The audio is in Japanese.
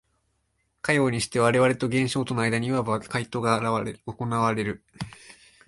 かようにして我々と現象との間にいわば問答が行われる。